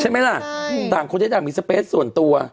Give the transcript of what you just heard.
ใช่ไหมล่ะต่างคนที่ต่างมีสเปสส่วนตัว